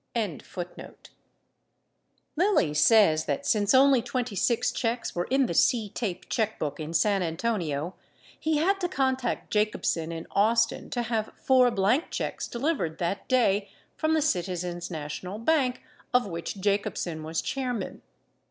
726 Lilly says that since only 26 checks were in the CTAPE checkbook in San Antonio, he had to contact Jacobsen in Austin to have four blank checks delivered that day from the Citizens National Bank, of which Jacobsen was chairman.